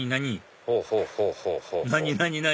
何？